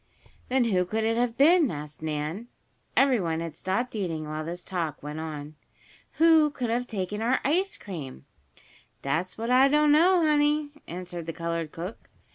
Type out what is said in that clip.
"Then who could it have been?" asked Nan. Everyone had stopped eating while this talk went on. "Who could have taken our ice cream?" "Dat's what I don't know, honey," answered the colored cook.